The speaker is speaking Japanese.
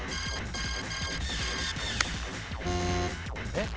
えっ？